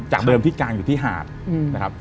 จากเริ่มที่กลางอยู่ที่หากนะครับ